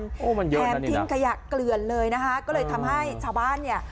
แถมทิ้งกระยะเกลือนเลยนะคะก็เลยทำให้ชาวบ้านเนี่ย